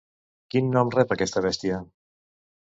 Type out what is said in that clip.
Quin nom rep aquesta bèstia?